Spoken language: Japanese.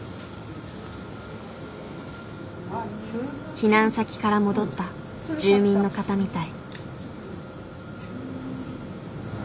避難先から戻った住民の方みたい。